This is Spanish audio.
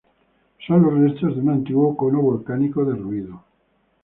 Son los restos de un antiguo cono volcánico derruido.